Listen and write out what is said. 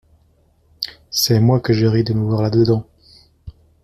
C'est moi que je ris de me voir là dedans …